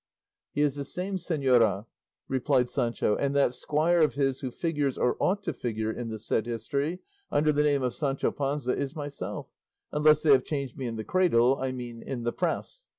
"He is the same, señora," replied Sancho; "and that squire of his who figures, or ought to figure, in the said history under the name of Sancho Panza, is myself, unless they have changed me in the cradle, I mean in the press."